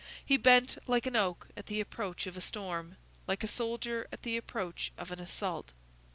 He bent like an oak at the approach of a storm, like a soldier at the approach of an assault.